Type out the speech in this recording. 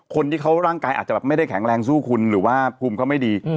คนที่เขาร่างกายอาจจะแบบไม่ได้แข็งแรงสู้คุณหรือว่าภูมิเขาไม่ดี